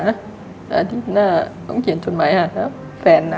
อาทิตย์หน้าต้องเขียนจดหมายหาแฟนนะ